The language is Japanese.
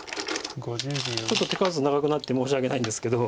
ちょっと手数長くなって申し訳ないんですけど。